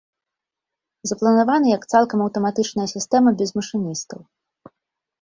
Запланаваны як цалкам аўтаматычная сістэма без машыністаў.